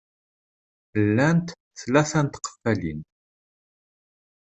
Llant tlata n tqeffalin.